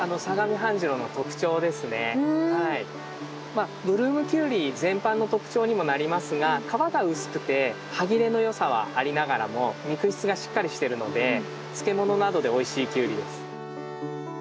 まあブルームキュウリ全般の特徴にもなりますが皮が薄くて歯切れのよさはありながらも肉質がしっかりしてるので漬物などでおいしいキュウリです。